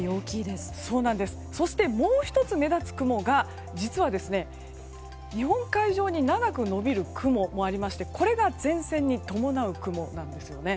そして、もう１つ目立つ雲が実は日本海上に長く延びる雲もありましてこれが前線に伴う雲なんですね。